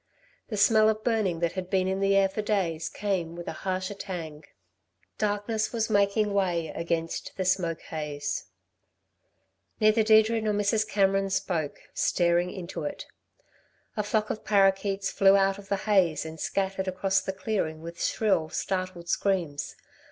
The smell of burning that had been in the air for days came with a harsher tang. Darkness was making way against the smoke haze. Neither Deirdre nor Mrs. Cameron spoke, staring into it. A flock of parroquets flew out of the haze and scattered across the clearing with shrill, startled screams.